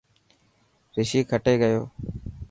رشي کٽي گيو.